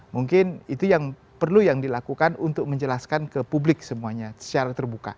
mungkin itu yang perlu yang dilakukan untuk menjelaskan ke publik semuanya secara terbuka